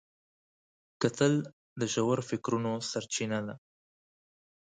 کتل د ژور فکرونو سرچینه ده